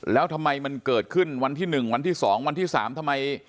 แล้วทำไมมันเกิดขึ้นวันที่หนึ่งวันที่สองวันที่สามทำไม